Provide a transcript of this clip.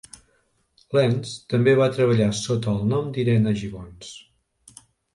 Lentz també va treballar sota el nom d'Irene Gibbons.